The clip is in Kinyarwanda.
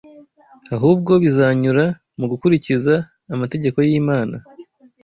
ahubwo bizanyura mu gukurikiza amategeko y’Imana